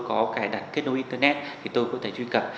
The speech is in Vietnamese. có cài đặt kết nối internet thì tôi có thể truy cập